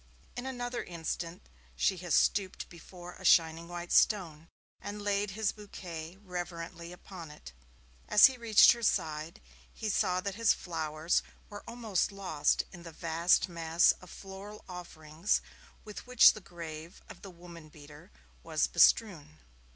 In another instant she has stooped before a shining white stone, and laid his bouquet reverently upon it. As he reached her side, he saw that his flowers were almost lost in the vast mass of floral offerings with which the grave of the woman beater was bestrewn.